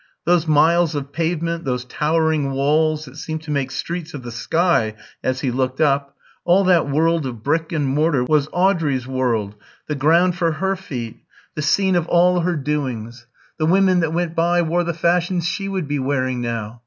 Those miles of pavement, those towering walls that seemed to make streets of the sky as he looked up, all that world of brick and mortar was Audrey's world, the ground for her feet, the scene of all her doings. The women that went by wore the fashions she would be wearing now.